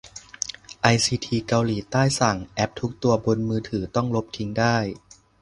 ไอซีทีเกาหลีใต้สั่ง แอปทุกตัวบนมือถือต้องลบทิ้งได้